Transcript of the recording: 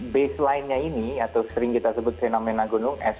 baseline nya ini atau sering kita sebut fenomena gunung es